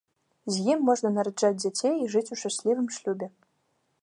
З ім можна нараджаць дзяцей і жыць у шчаслівым шлюбе.